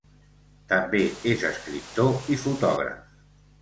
També és escriptor i fotògraf.